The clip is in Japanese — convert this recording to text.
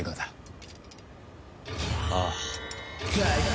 ああ。